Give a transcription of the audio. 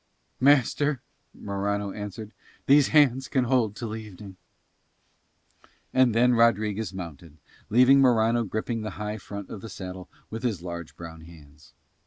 "Master," Morano answered, "these hands can hold till evening." And then Rodriguez mounted, leaving Morano gripping the high front of the saddle with his large brown hands.